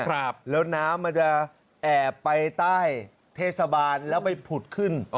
โรงกลางเมืองสุโขทัยเนี่ยครับแล้วน้ำมันจะแอบไปใต้เทศบาลแล้วไปผุดขึ้น